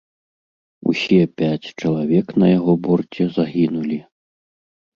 Усе пяць чалавек на яго борце загінулі.